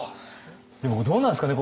でもどうなんですかね